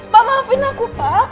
pak maafin aku pak